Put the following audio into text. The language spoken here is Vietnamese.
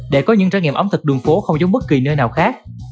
để có những trải nghiệm ẩm thực đường phố không giống bất kỳ nơi nào khác